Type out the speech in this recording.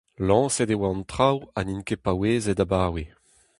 Lañset e oa an traoù ha n'int ket paouezet abaoe !